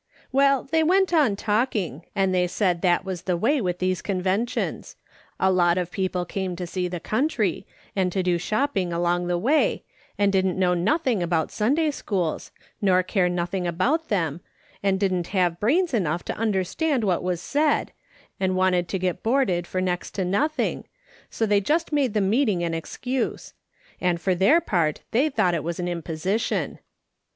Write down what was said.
" "Well, they went on talking, and they said that "was the way with these Conventions. A lot of people came to see the country, and to do shopping along the way, and didn't know nothing about Sunday schools, nor care nothing about them, and didn't 40 A/i!S. SOLOMON SMITH LOOKING ON. have brains enough to understand what was said, and wanted to get hoarded for next to nothing, so they just made the meeting an excuse ; and for their part they thought it was an imposition.